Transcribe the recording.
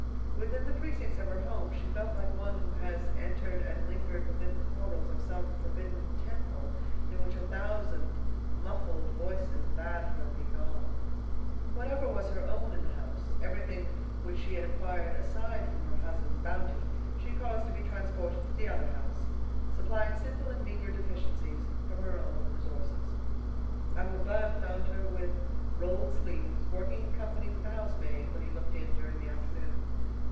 Within the precincts of her home she felt like one who has entered and lingered within the portals of some forbidden temple in which a thousand muffled voices bade her begone. Whatever was her own in the house, everything which she had acquired aside from her husband's bounty, she caused to be transported to the other house, supplying simple and meager deficiencies from her own resources. Arobin found her with rolled sleeves, working in company with the house maid when he looked in during the afternoon.